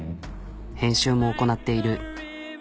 編集も行なっている。